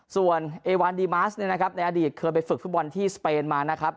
ส่วนเอวันดีมาสเนี่ยนะครับในอดีตเคยไปฝึกฟุตบอลที่สเปนมานะครับ